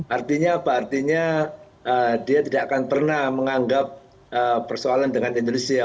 artinya apa artinya dia tidak akan pernah menganggap persoalan dengan indonesia